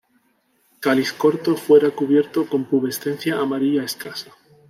Cáliz corto, fuera cubierto con pubescencia amarilla escasa.